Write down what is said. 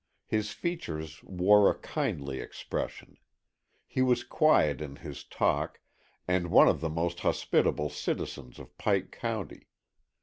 His features wore a kindly expression. He was quiet in his talk, and one of the most hospitable citizens of Pike County.